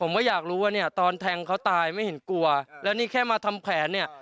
ผมก็อยากรู้ว่าเนี่ยตอนแทงเขาตายไม่เห็นกลัวแล้วนี่แค่มาทำแผนเนี่ย